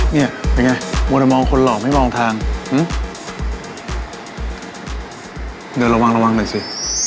นี่เป็นยังไงมดมองคนหล่อไม่มองทางหึเดี๋ยวระวังระวังหน่อยสิ